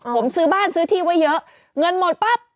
ผมซื้อบ้านซื้อที่ไว้เยอะเงินหมดปั๊บ